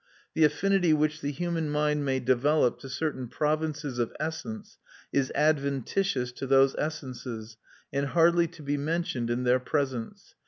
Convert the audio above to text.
The affinity which the human mind may develop to certain provinces of essence is adventitious to those essences, and hardly to be mentioned in their presence.